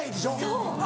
そう！